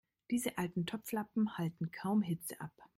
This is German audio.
Diese alten Topflappen halten kaum Hitze ab.